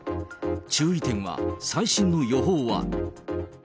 注意点は、最新の予報は。